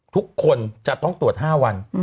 ทุกคนจะต้องตรวจ๕วัน